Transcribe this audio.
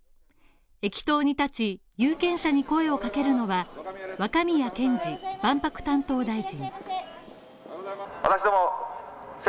駅頭に立ち、有権者に声をかけるのが若宮健嗣万博担当大臣。